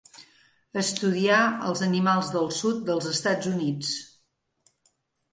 Estudià els animals del sud dels Estats Units.